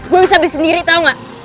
gue bisa beli sendiri tau gak